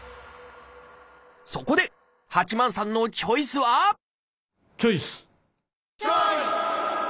そこで八幡さんのチョイスはチョイス！